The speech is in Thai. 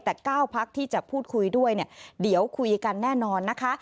แต่๙พักที่จะพูดคุยด้วยเนี่ยเดี๋ยวคุยกันแน่นอนนะคะ